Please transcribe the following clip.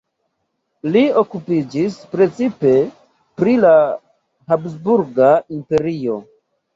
Li okupiĝis precipe pri la Habsburga Imperio.